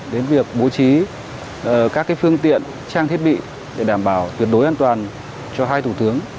đến việc bố trí các phương tiện trang thiết bị để đảm bảo tuyệt đối an toàn cho hai thủ tướng